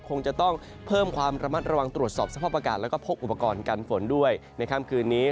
คงจะต้องเพิ่มความระมัดระวังตรวจสอบสภาพอากาศแล้วก็พกอุปกรณ์กันฝนด้วยในค่ำคืนนี้